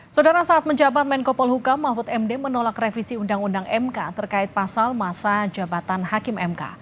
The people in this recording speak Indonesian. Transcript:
saudara saat menjabat menko polhuka mahfud md menolak revisi undang undang mk terkait pasal masa jabatan hakim mk